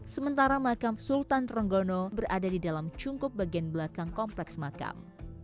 sementara makam sultan trenggono berada di dalam cungkup bagian belakang kompleks makam